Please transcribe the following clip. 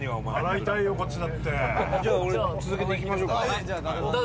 じゃあ俺続けていきましょうか。